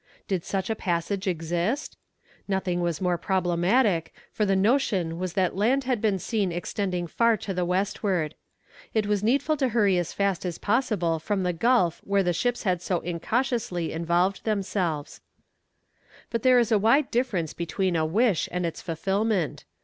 Did such a passage exist? Nothing was more problematic, for the notion was that land had been seen extending far to the westward. It was needful to hurry as fast as possible from the gulf where the ships had so incautiously involved themselves. [Illustration: Louisiade Archipelago. (Fac simile of early engraving.)] But there is a wide difference between a wish and its fulfilment!